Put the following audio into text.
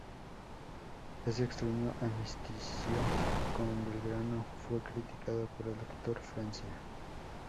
Este extraño armisticio con Belgrano fue criticado por el doctor Francia.